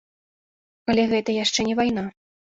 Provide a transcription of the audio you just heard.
Але гэта яшчэ не вайна.